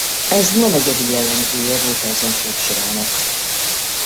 Ez nem egyedi jellemzője Watterson képsorának.